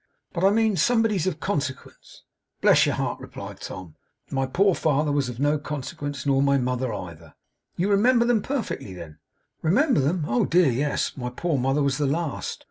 'But I mean somebody's of consequence.' 'Bless your heart,' replied Tom, 'my poor father was of no consequence, nor my mother either.' 'You remember them perfectly, then?' 'Remember them? oh dear yes. My poor mother was the last.